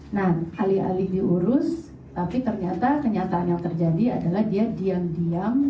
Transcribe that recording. nah alih alih diurus tapi ternyata kenyataan yang terjadi adalah dia diam diam